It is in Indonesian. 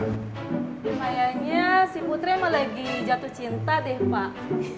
kayaknya si putri emang lagi jatuh cinta deh pak